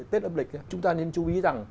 tết âm lịch chúng ta nên chú ý rằng